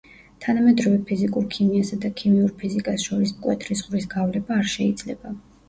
თანამედროვე ფიზიკურ ქიმიასა და ქიმიურ ფიზიკას შორის მკვეთრი ზღვრის გავლება არ შეიძლება.